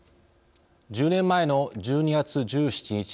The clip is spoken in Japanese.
１０年前の１２月１７日